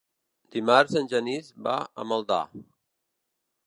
Dimarts en Genís va a Maldà.